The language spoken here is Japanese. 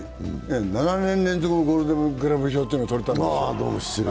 ７年連続ゴールデン・グラブ賞というのをとれたんですよ。